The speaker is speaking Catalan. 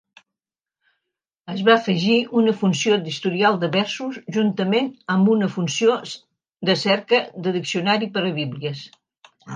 Es va afegir una funció d'historial de versos juntament amb una funció de cerca de diccionari per a bíblies.